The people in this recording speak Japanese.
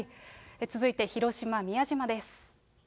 続いて広島・宮島です。